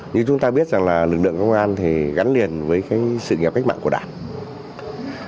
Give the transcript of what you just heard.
như chúng ta biết rằng lực lượng công an gắn liền với sự nghiệp cách mạng của đảng